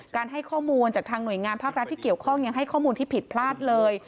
ให้ข้อมูลจากทางหน่วยงานภาครัฐที่เกี่ยวข้องยังให้ข้อมูลที่ผิดพลาดเลย